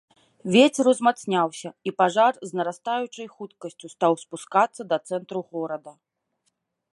Вецер узмацняўся, і пажар з нарастаючай хуткасцю стаў спускацца да цэнтру горада.